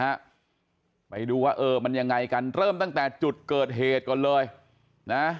ฮะไปดูว่าเออมันยังไงกันเริ่มตั้งแต่จุดเกิดเหตุก่อนเลยนะ